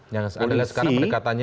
yang adalah sekarang pendekatannya